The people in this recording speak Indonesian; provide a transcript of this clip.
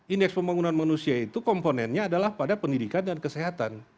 indeks pembangunan manusia itu komponennya adalah pada pendidikan dan kesehatan